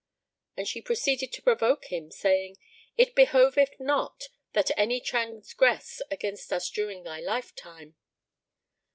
And she proceeded to provoke him, saying, "It behoveth not that any transgress against us during thy lifetime."